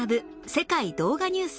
世界動画ニュース』